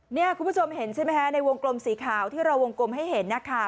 คุณผู้ชมเห็นใช่ไหมคะในวงกลมสีขาวที่เราวงกลมให้เห็นนะคะ